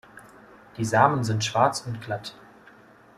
Die Samen sind schwarz und glatt.